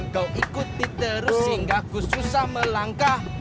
kau ikuti terus sehingga aku susah melangkah